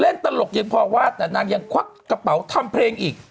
ตลกยังพอว่าแต่นางยังควักกระเป๋าทำเพลงอีก